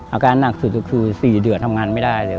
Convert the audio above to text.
อาการหนักสุดก็คือ๔เดือนทำงานไม่ได้เลย